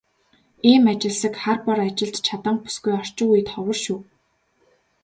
Ийм ажилсаг, хар бор ажилд чаданги бүсгүй орчин үед ховор шүү.